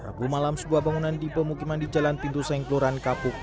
rabu malam sebuah bangunan di pemukiman di jalan pintu seng kelurahan kapuk